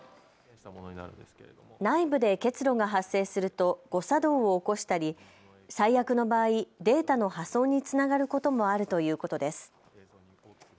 内部で結露が発生すると誤作動を起こしたり最悪の場合、データの破損につながることもあるということです。